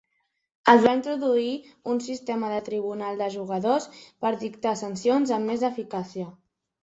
Es va introduir un sistema de tribunal de jugadors per dictar sancions amb més eficàcia.